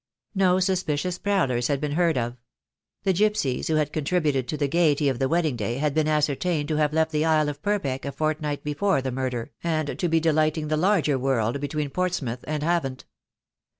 No suspicious prowlers had been heard of. The gipsies who had contributed to the gaiety of the wedding day had been ascertained to have left the Isle of Purbeck a fortnight before the murder, and to be delighting the larger world between Portsmouth and Havant.